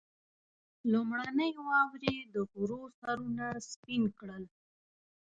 لومړنۍ واورې د غرو سرونه سپين کړل.